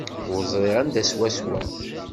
Ur ẓriɣ anda swaswa.